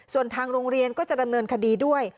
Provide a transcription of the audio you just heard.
ส่วนทางโรงเรียนก็จะดำเนินคดีด้วย